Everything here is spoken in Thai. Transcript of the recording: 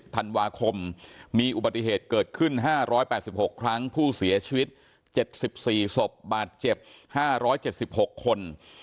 ธันวาคมมีอุบัติเหตุเกิดขึ้น๕๘๖ครั้งผู้เสียชีวิต๗๔ศพบาดเจ็บ๕๗๖คน